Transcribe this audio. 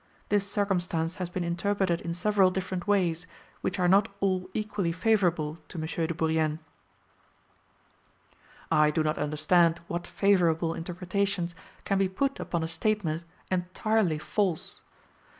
This circumstance has been interpreted in several different ways, which are not all equally favourable to M. de Bourrienne." I do not understand what favourable interpretations can be put upon a statement entirely false.